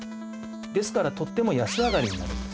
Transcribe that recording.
ですからとっても安上がりになるんですね。